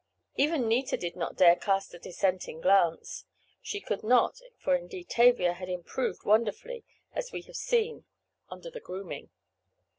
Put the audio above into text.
Even Nita did not dare cast a dissenting glance—she could not, for indeed Tavia had improved wonderfully, as we have seen, under the "grooming."